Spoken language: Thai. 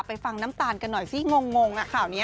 ฟังน้ำตาลกันหน่อยสิงงข่าวนี้